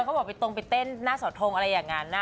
เขาบอกไปตรงไปเต้นหน้าสอทงอะไรอย่างนั้นนะ